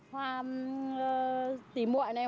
hoa tỉ muội này